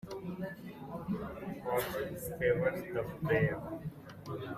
Fortune favours the brave.